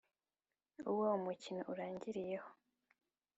uwo umukino urangiriyeho